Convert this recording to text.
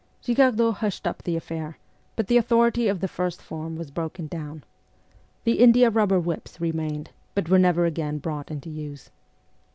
Girardot hushed up the affair, but the authority of the first form was broken down. The india rubber whips remained, but were never again brought into use.